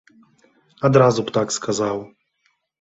Адразу б так сказаў.